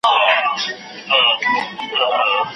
شهنشاه یم د غرڅه وو د لښکرو